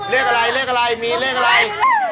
เรียกอะไรมีเลขอะไร